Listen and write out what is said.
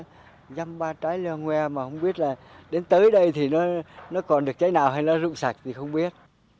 nhăm ba trái leo nguê mà không biết là đến tới đây thì nó còn được trái nào hay nó rụng sạch thì không biết